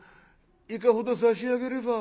いかほど差し上げれば？」。